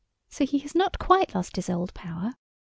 So he has not quite lost his old power.